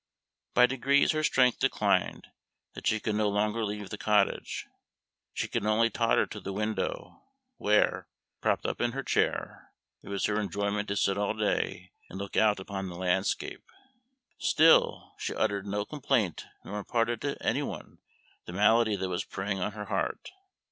By degrees her strength declined that she could no longer leave the cottage. She could only totter to the window, where, propped up in her chair, it was her enjoyment to sit all day and look out upon the landscape. Still she uttered no complaint nor imparted to any one the malady that was preying on her heart.